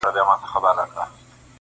يوه ورځ يو هلک پوښتنه کوي